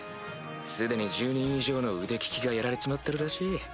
既に１０人以上の腕利きがやられちまってるらしい。